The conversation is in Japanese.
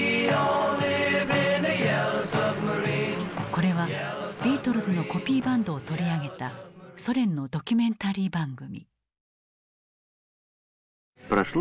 これはビートルズのコピーバンドを取り上げたソ連のドキュメンタリー番組。